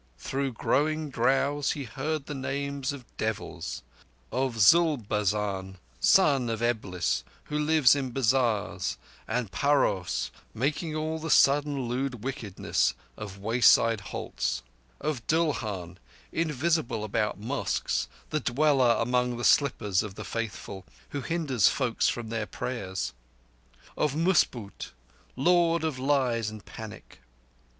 Through growing drowse he heard the names of devils—of Zulbazan, Son of Eblis, who lives in bazars and paraos, making all the sudden lewd wickedness of wayside halts; of Dulhan, invisible about mosques, the dweller among the slippers of the faithful, who hinders folk from their prayers; and Musboot, Lord of lies and panic.